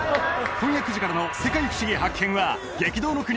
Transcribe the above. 今夜９時からの「世界ふしぎ発見！」は激動の国